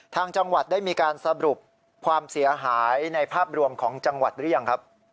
ทางจังหวัดได้มีการสรุปความเสียหายในภาพรวมของจังหวัดหรือยังครับ